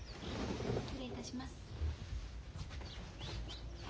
失礼いたします。